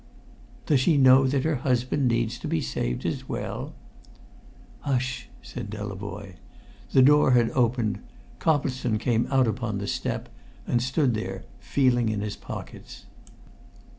"Does she know that her husband needs to be saved as well?" "Hush!" said Delavoye. The door had opened. Coplestone came out upon the step, and stood there feeling in his pockets.